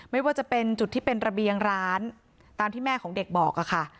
ไม่ว่าจะเป็นจุดที่เป็นระเบียงร้านตามที่แม่ของเด็กบอกค่ะ